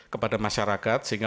kepada masyarakat sehingga